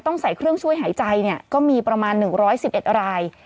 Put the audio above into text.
ต้องใส่เครื่องช่วยหายใจก็มีประมาณ๑๑๑ราย